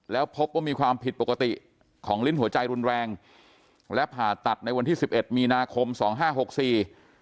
แล้วพบว่ามีความผิดปกติของลิ้นหัวใจรุนแรงและผ่าตัดในวันที่สิบเอ็ดมีนาคมสองห้าหกสี่